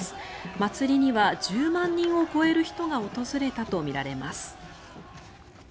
祭りには１０万人を超える人が訪れたとみられます。